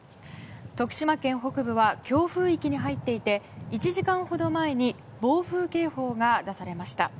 徳島県北部は強風域に入っていて１時間ほど前に暴風警報が出されました。